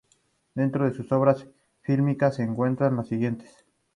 Dentro de sus obras fílmicas se encuentran las siguientes:¶